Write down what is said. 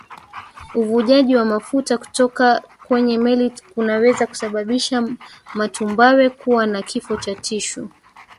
Uvujaji wa mafuta kutoka kwenye meli kunaweza kusababisha matumbawe kuwa na kifo cha tishu